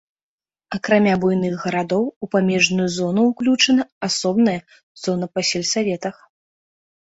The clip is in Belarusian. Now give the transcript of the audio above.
Акрамя буйных гарадоў у памежную зону ўключаны асобныя зоны па сельсаветах.